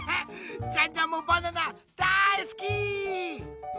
ジャンジャンもバナナだいすき！